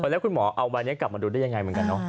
แล้วคุณหมอเอาใบนี้กลับมาดูได้ยังไงเหมือนกันเนาะ